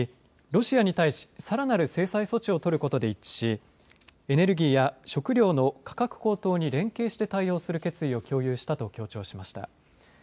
ロシアに対し、さらなる制裁措置を取ることで一致し、エネルギーや食料の価格高騰に連携して対応する決意を共有したとしました。